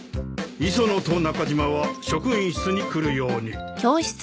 磯野と中島は職員室に来るように。